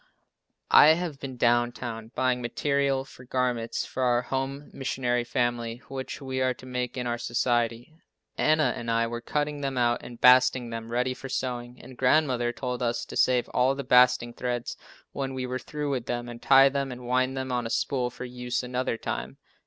I have been down town buying material for garments for our Home Missionary family which we are to make in our society. Anna and I were cutting them out and basting them ready for sewing, and grandmother told us to save all the basting threads when we were through with them and tie them and wind them on a spool for use another time.